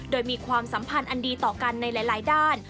โดยมีความสัมพันธ์อันดีต่อกันในหลายด้าน